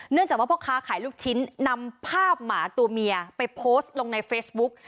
จากว่าพ่อค้าขายลูกชิ้นนำภาพหมาตัวเมียไปโพสต์ลงในเฟซบุ๊ก